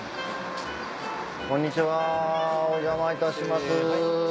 こんにちはお邪魔いたします。